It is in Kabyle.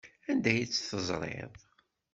Anda ay tt-teẓriḍ?